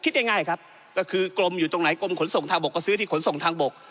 คิดง่ายครับก็คือกรมอยู่ตรงไหนกรมขนส่งทางบกก็ซื้อที่ขนส่งทางบก